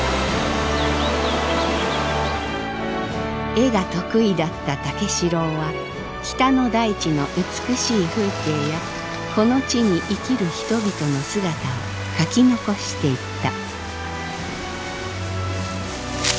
絵が得意だった武四郎は北の大地の美しい風景やこの地に生きる人々の姿を描き残していった。